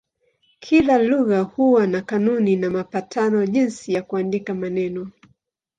Kila lugha huwa na kanuni na mapatano jinsi ya kuandika maneno.